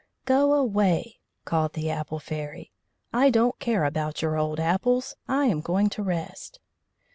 "Go away," called the Apple Fairy. "I don't care about your old apples; I am going to rest."